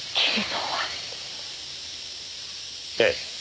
ええ。